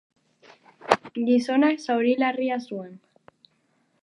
Gizonak zauri larria zuen.